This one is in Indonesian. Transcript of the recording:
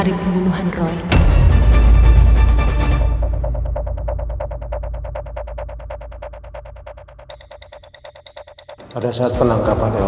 silakan duduk kembali